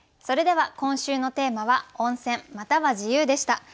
それでは今週のテーマは「温泉」または自由でした。